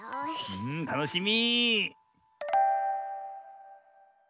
うんたのしみ。